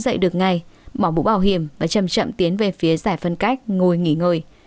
người đàn ông lúc này có thể đứng dậy được ngay bỏ bụng bảo hiểm và chậm chậm tiến về phía giải phân cách ngồi nghỉ ngơi